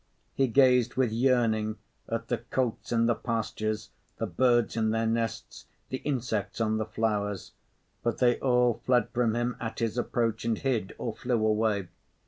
He gazed with yearning at the colts in the pastures, the birds in their nests, the insects on the flowers; but they all fled from him at his approach and hid or flew away.